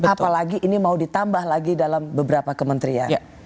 apalagi ini mau ditambah lagi dalam beberapa kementerian